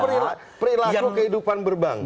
ini perilaku kehidupan berbangsa